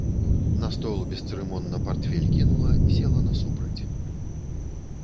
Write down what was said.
На стол бесцырымонна партфель кінула, села насупраць.